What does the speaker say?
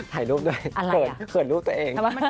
ถ่ายรูปด้วยเขินรูปตัวเอง